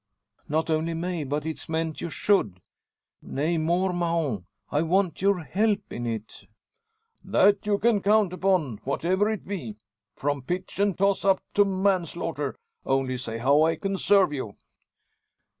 "Not only may, but it's meant you should. Nay, more, Mahon; I want your help in it." "That you can count upon, whatever it be from pitch and toss up to manslaughter. Only say how I can serve you."